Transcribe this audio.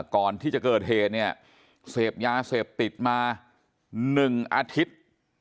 ก่อนที่จะเกิดเหตุเนี่ยเสพยาเสพติดมา๑อาทิตย์